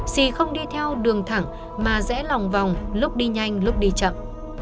xì không đi theo đường thẳng mà dễ lòng vòng lúc đi nhanh lúc đi chậm